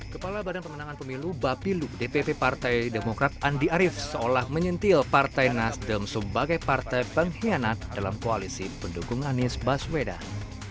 kepala badan pemenangan pemilu bapilu dpp partai demokrat andi arief seolah menyentil partai nasdem sebagai partai pengkhianat dalam koalisi pendukung anies baswedan